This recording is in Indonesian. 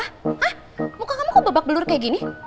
hah muka kamu kok babak belur kayak gini